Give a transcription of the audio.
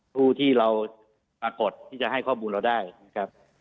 ผู้ที่เราปรากฏที่จะให้ข้อมูลเราได้นะครับ